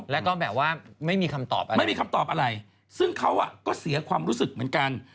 แล้วก็แบบว่าไม่มีคำตอบอะไรซึ่งเขาก็เสียความรู้สึกเหมือนกัน